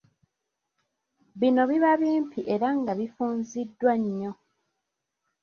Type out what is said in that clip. Bino biba bimpi era nga bifunziddwa nnyo.